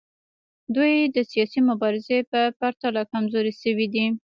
دوی د سیاسي مبارزې په پرتله کمزورې شوي دي